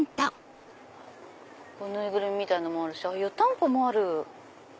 縫いぐるみみたいなのもあるし湯たんぽもある。